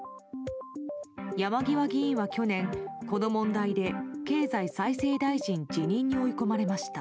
山際議員は去年この問題で経済再生大臣辞任に追い込まれました。